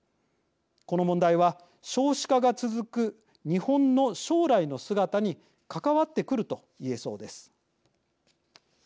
この問題は少子化が続く日本の将来の姿に関わってくると言えそうです。